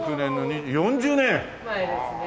前ですね。